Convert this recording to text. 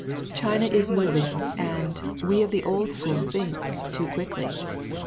China is moving, and, we of the old school think, too quickly.